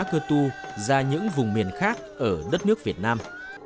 của hội an cơ tu ra những vùng miền khác ở đất nước việt nam